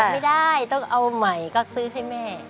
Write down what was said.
ไม่ได้ต้องเอาใหม่ก็ซื้อให้แม่